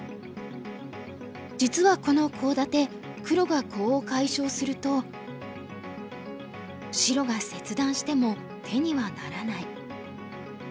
実はこのコウ立て黒がコウを解消すると白が切断しても手にはならない。